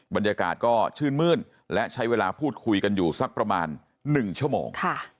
บรรยากาศก็ชื่นมื้นและใช้เวลาพูดคุยกันอยู่สักประมาณ๑ชั่วโมง